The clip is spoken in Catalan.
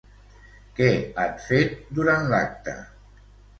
Què han fet durant l'acte?